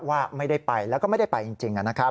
ว่าไม่ได้ไปแล้วก็ไม่ได้ไปจริง